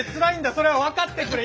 それは分かってくれ！